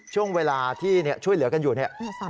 ช่วงเวลาที่ช่วยเหลือกันอยู่เนี่ย